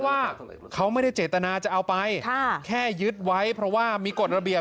ว่าเขาไม่ได้เจตนาจะเอาไปแค่ยึดไว้เพราะว่ามีกฎระเบียบ